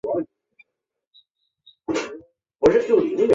宇宙距离梯度是天文学家测量与确定天体距离的一系列相关联方法。